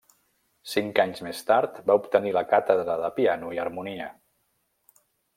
Cinc anys més tard, va obtenir la càtedra de piano i harmonia.